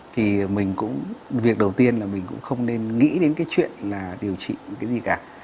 thì mình cũng việc đầu tiên là mình cũng không nên nghĩ đến cái chuyện là điều trị những cái gì cả